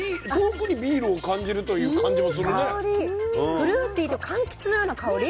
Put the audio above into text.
フルーティーとかんきつのような香り？